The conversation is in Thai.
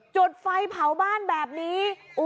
จุดไฟเผาบ้านแบบนี้